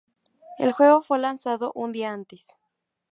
El juego fue lanzado un día antes.